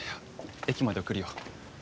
駅まで送るよ。